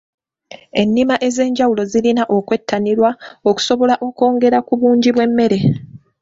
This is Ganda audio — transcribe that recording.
Ennima ez'enjawulo zirina okwettanirwa okusobola okwongera ku bungi bw'emmere.